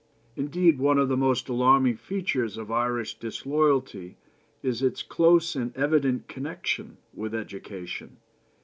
Indeed, one of the most alarming features of Irish disloyalty is its close and evident connection with education.